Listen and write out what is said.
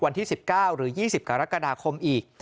วันที่๑๙หรือ๒๐กรกฎาคมอีก